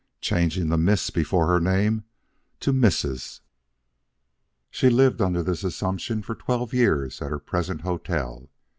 Changing the Miss before her name to Mrs., she lived under this assumption for twelve years at her present hotel.